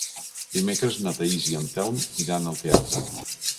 Dimecres na Thaís i en Telm iran al teatre.